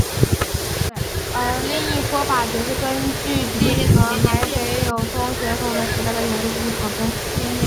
而另一说法则是根据继承海北友松血统的史家的研究进行考证。